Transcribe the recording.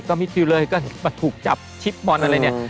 มิดชิวเลยก็มาถูกจับชิปบอลอะไรเนี่ย